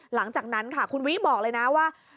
หลังจากนั้นค่ะคุณวิบอกเลยนะว่า